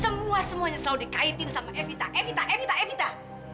semua semuanya selalu dikaitin sama evita evita emita evita